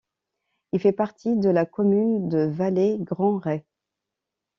Il fait partie de la commune de Valle Gran Rey.